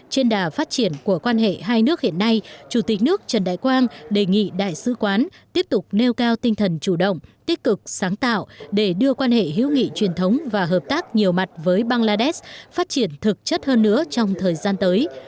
trên đà phát triển của quan hệ hai nước hiện nay chủ tịch nước trần đại quang đề nghị đại sứ quán tiếp tục nêu cao tinh thần chủ động tích cực sáng tạo để đưa quan hệ hữu nghị truyền thống và hợp tác nhiều mặt với bangladesh phát triển thực chất hơn nữa trong thời gian tới